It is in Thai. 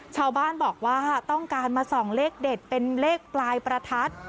ชาวบ้านบอกว่าต้องการมาส่องเลขเด็ดเป็นเลขปลายประทัด